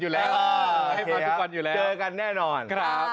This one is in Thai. อยู่แล้วเจอกันแน่นอน